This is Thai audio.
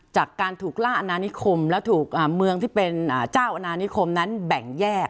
จากการถูกล่าอนานิคมและถูกเมืองที่เป็นเจ้าอนานิคมนั้นแบ่งแยก